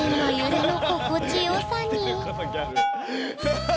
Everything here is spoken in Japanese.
ハハハハ！